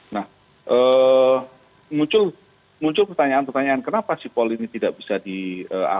nah muncul pertanyaan pertanyaan kenapa sipol ini tidak bisa diangkat